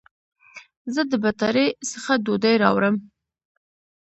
زه د بټاری څخه ډوډي راوړم